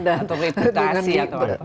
atau reputasi atau apa